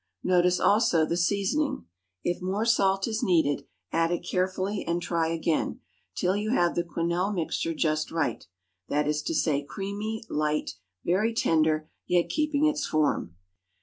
Notice also the seasoning; if more salt is needed, add it carefully, and try again, till you have the quenelle mixture just right, that is to say, creamy, light, very tender, yet keeping its form.